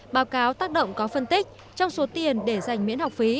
báo cáo tác động có phân tích trong số tiền để giành miễn học phí